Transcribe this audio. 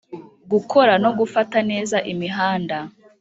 gukora no gufata neza imihanda,